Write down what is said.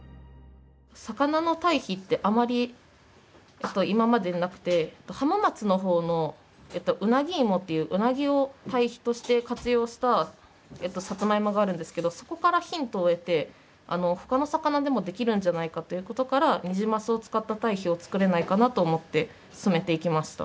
魚の堆肥ってあまり今までになくて浜松の方のウナギイモっていうウナギを堆肥として活用したサツマイモがあるんですけどそこからヒントを得てほかの魚でもできるんじゃないかということからニジマスを使った堆肥を作れないかなと思って進めていきました。